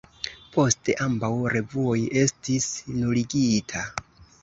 Poste, ambaŭ revuoj estis nuligita.